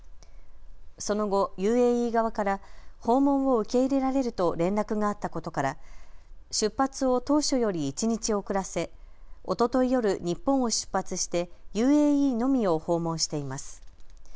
その後、ＵＡＥ側から訪問を受け入れられると連絡があったことから出発を当初より一日遅らせおととい夜、日本を出発してＵＡＥのみを訪問しています。